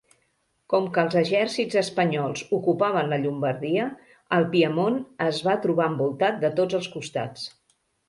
Com que els exèrcits espanyols ocupaven la Llombardia, el Piemont es va trobar envoltat de tots els costats.